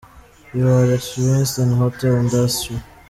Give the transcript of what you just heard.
You are experienced in Hotel Industry.